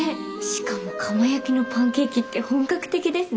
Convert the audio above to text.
しかも窯焼きのパンケーキって本格的ですね。